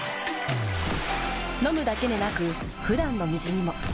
飲むだけでなく普段の水にも。